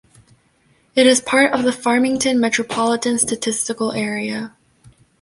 It is part of the Farmington Metropolitan Statistical Area.